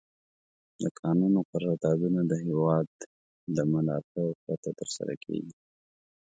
د کانونو قراردادونه د هېواد د منافعو پرته تر سره کیږي.